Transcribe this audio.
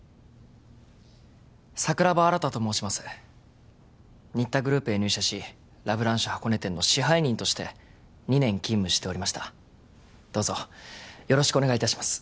桜庭新と申します新田グループへ入社しラ・ブランシュ箱根店の支配人として２年勤務しておりましたどうぞよろしくお願いいたします